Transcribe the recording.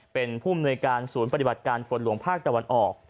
เป็นผู้มนวยการศูนย์ปฏิบัติการฝนหลวงภาคตะวันออก